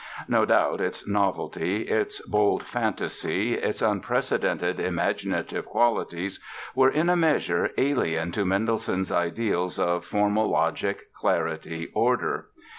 No doubt its novelty, its bold fantasy, its unprecedented imaginative qualities were in a measure alien to Mendelssohn's ideals of formal logic, clarity, order.